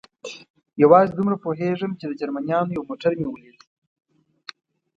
یوازې دومره پوهېږم، چې د جرمنیانو یو موټر مې ولید.